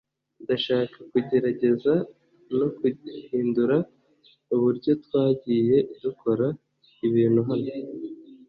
ndashaka kugerageza no guhindura uburyo twagiye dukora ibintu hano